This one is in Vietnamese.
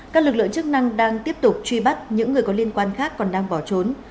các lực lượng chức năng đang tiếp tục truy bắt những người có liên quan khác còn đang bỏ trốn